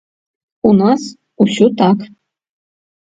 У нас усё так.